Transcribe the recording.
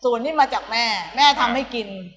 ส่วนนี้มาจากแม่แม่ทำให้กิน